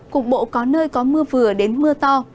cục bộ có nơi có mưa vừa đến mưa to